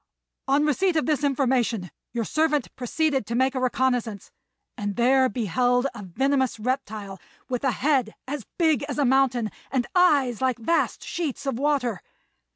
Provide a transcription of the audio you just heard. On receipt of this information your servant proceeded to make a reconnaissance, and there beheld a venomous reptile with a head as big as a mountain and eyes like vast sheets of water.